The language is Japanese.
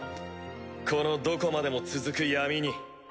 このどこまでも続く闇に。